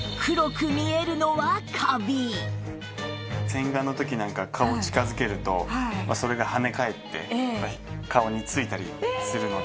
洗顔の時なんか顔近づけるとそれがはね返って顔に付いたりするので。